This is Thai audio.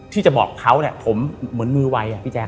ที่จะบอกเขาผมเหมือนมือวัยเจค